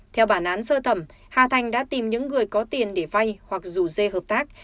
theo bản án sơ thẩm hà thành đã tìm những người có tiền để vay hoặc rủ dê hợp tác